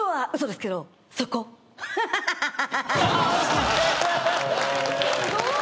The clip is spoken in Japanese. すごーい。